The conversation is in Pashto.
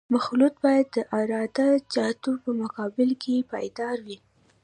مخلوط باید د عراده جاتو په مقابل کې پایدار وي